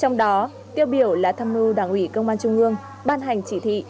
trong đó tiêu biểu là tham mưu đảng ủy công an trung ương ban hành chỉ thị